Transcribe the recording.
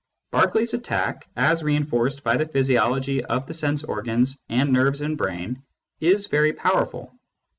Berkeley's attack, as reinforced by the physiology of the sense organs and nerves and brain, is very power ful.